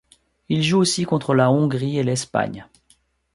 Il joue aussi contre la Hongrie et l'Espagne.